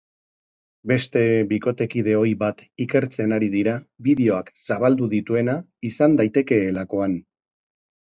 Beste bikotekide ohi bat ikertzen ari dira bideoak zabaldu dituena izan daitekeelakoan.